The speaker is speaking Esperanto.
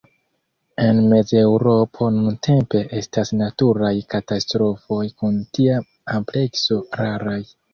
En Mez-Eŭropo nuntempe estas naturaj katastrofoj kun tia amplekso raraj.